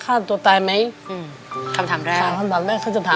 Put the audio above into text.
สามีก็ต้องพาเราไปขับรถเล่นดูแลเราเป็นอย่างดีตลอดสี่ปีที่ผ่านมา